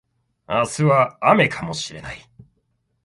明日は雨かもしれない